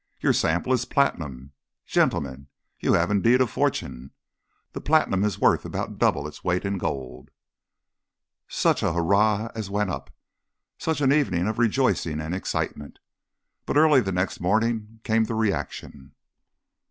Your sample is platinum! Gentlemen, you have indeed a fortune! The platinum is worth about double its weight in gold!" Such a hurrah as went up! Such an evening of rejoicing and excitement! But early the next morning came the reaction.